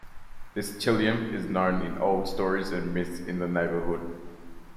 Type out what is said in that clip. This Tilium is known in old stories and myths in the neighbourhood.